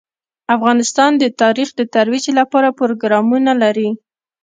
افغانستان د تاریخ د ترویج لپاره پروګرامونه لري.